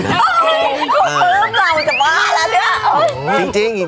แปึ้มเหรอเอาจะมาแล้วเตี๊ยบ